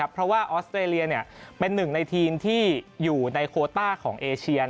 เพราะว่าออสเตรเลียเป็นหนึ่งในทีมที่อยู่ในโคต้าของเอเชีย